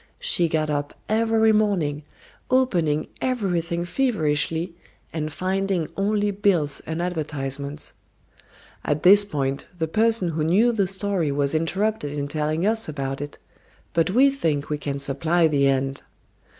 She got up every morning, opening everything feverishly and finding only bills and advertisements. At this point the person who knew the story was interrupted in telling us about it, but we think we can supply the end.